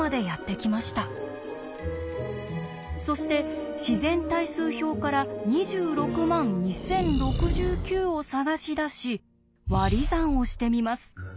そして自然対数表から２６万２０６９を探し出し割り算をしてみます。